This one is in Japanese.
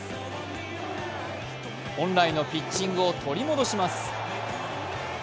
本来のピッチングを取り戻します。